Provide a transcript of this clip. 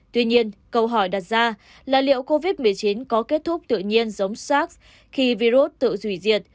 tuy nhiên câu hỏi đặt ra là liệu covid một mươi chín có kết thúc tự nhiên giống sars khi virus tự hủy diệt